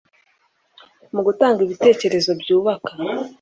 mu gutanga ibitekerezo byubaka